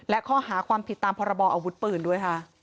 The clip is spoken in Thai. และข้อหาความผิดตามพรบออาวุธปืนด้วยค่ะ